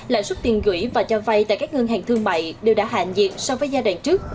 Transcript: lãi suất tiền gửi và cho vay tại các ngân hàng thương mại đều đã hạ nhiệt so với giai đoạn trước